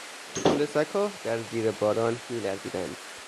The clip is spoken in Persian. توله سگها در زیر باران میلرزیدند.